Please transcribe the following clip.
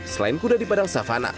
selain kuda di padang savana